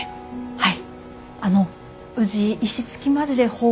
はい。